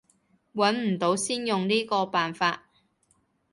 揾唔到先用呢個辦法